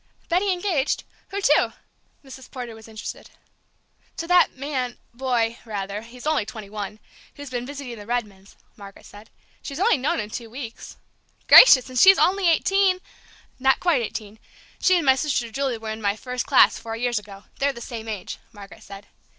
"Betty engaged? Who to?" Mrs. Porter was interested. "To that man boy, rather, he's only twenty one who's been visiting the Redmans," Margaret said. "She's only known him two weeks." "Gracious! And she's only eighteen " "Not quite eighteen. She and my sister, Julie, were in my first class four years ago; they're the same age," Margaret said.